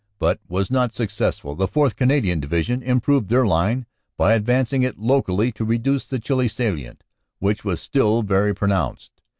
but was not successful. The 4th. Canadian Division improved their line by advanc ing it locally to reduce the Chilly salient, which was still very pronounced.